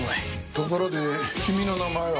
ところで君の名前は？